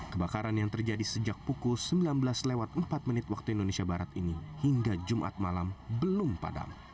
kebakaran yang terjadi sejak pukul sembilan belas lewat empat menit waktu indonesia barat ini hingga jumat malam belum padam